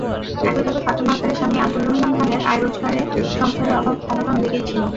একইভাবে ফাতেমা আক্তারের স্বামী আবদুর রহমান খানের আয়-রোজগারে সংসারে অভাব-অনটন লেগেই ছিল।